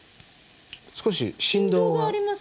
少し振動がある。